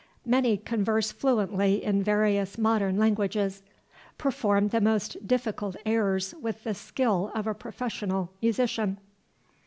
Many converse fluently in various modern languages.... perform the most difficult airs with the skill of professional musicians....